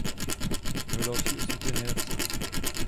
Jeho další osud je nejasný.